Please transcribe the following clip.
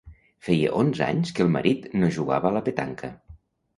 Feia onze anys que el marit no jugava a la petanca.